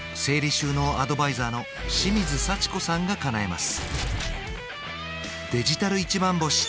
収納アドバイザーの清水幸子さんがかなえます